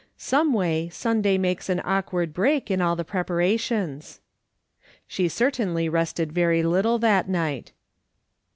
Some way, Sunday makes an awkward break in all the prepara tions." She certainly rested very little that night.